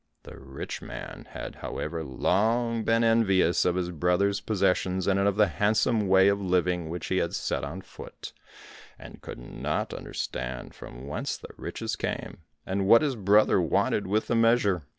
The rich man had, however, long been envious of his brother's possessions, and of the handsome way of living which he had set on foot, and could not understand from whence the riches came, and what his brother wanted with the measure.